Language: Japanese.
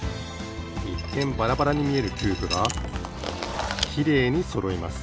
いっけんバラバラにみえるキューブがきれいにそろいます。